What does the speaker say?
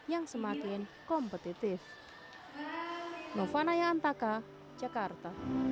yang semakin kompetitif